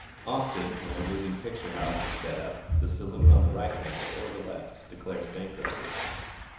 Often when a moving picture house is set up, the saloon on the right hand or the left declares bankruptcy.